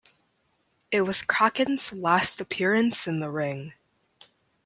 It was Kracken's last appearance in the ring.